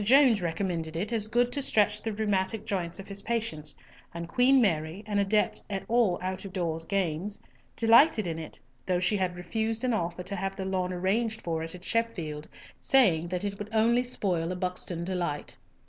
Jones recommended it as good to stretch the rheumatic joints of his patients, and Queen Mary, an adept at all out of door games, delighted in it, though she had refused an offer to have the lawn arranged for it at Sheffield, saying that it would only spoil a Buxton delight.